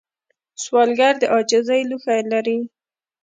سوالګر د عاجزۍ لوښه لري